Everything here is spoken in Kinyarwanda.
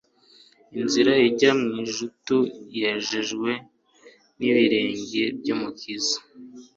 Inzira ijya mu ijutu yejejwe n'ibirenge by'Umukiza.